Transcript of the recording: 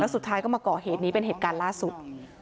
สุดท้ายก็มาก่อเหตุนี้เป็นเหตุการณ์ล่าสุด